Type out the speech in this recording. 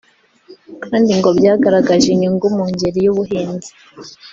kandi ngo byagaragaje inyungu mu ngeri y’ubuhinzi